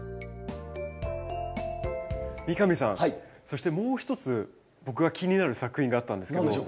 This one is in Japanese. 三上さんそしてもう一つ僕が気になる作品があったんですけど。